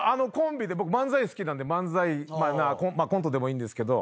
僕漫才好きなんで漫才まあコントでもいいんですけど。